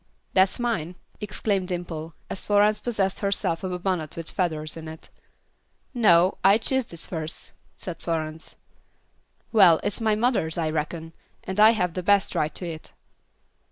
"That's mine," exclaimed Dimple, as Florence possessed herself of a bonnet with feathers in it. "No, I chose this first," said Florence. "Well, it's my mother's, I reckon, and I have the best right to it."